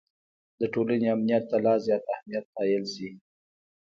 د ټولنې امنیت ته لا زیات اهمیت قایل شي.